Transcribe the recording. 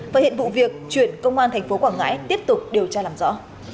và hiện vụ việc chuyển công an thành phố quảng ngãi tiếp tục điều tra làm rõ